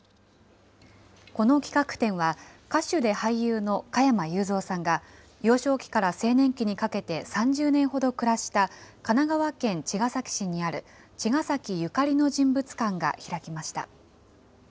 この企画展は、歌手で俳優の加山雄三さんが、幼少期から青年期にかけて３０年ほど暮らした神奈川県茅ヶ崎市にある、茅ヶ崎ゆかりの人物館が開きました。